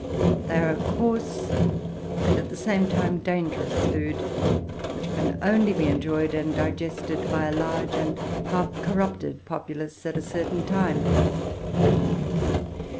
They are a coarse, and, at the same time, dangerous, food, which can only be enjoyed and digested by a large and half corrupted populace at a certain time.